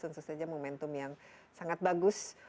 tentu saja momentum yang sangat bagus